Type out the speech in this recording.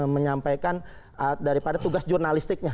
menyampaikan daripada tugas jurnalistiknya